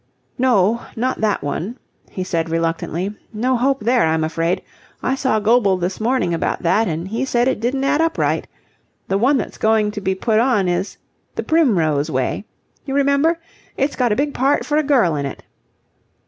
"No, not that one," he said reluctantly. "No hope there, I'm afraid. I saw Goble this morning about that, and he said it didn't add up right. The one that's going to be put on is 'The Primrose Way.' You remember? It's got a big part for a girl in it."